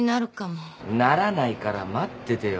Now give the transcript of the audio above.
ならないから待っててよ。